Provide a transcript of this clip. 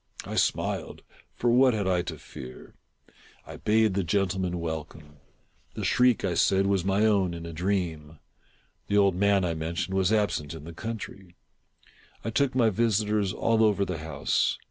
I smiled, — for ™hgt hnii T to fea1*? I bade the gentle men welcome. The shriek, I said, was my own in a dream. The old man, I mentioned, was absent in the country. I took my visitors all over the house.